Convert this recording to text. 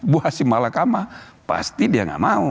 buah si mahkamah pasti dia gak mau